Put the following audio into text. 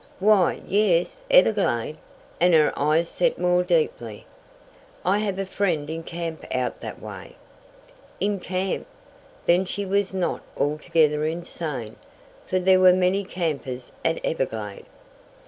"Why, yes; Everglade?" and her eyes set more deeply. "I have a friend in camp out that way." In camp! Then she was not altogether insane, for there were many campers at Everglade.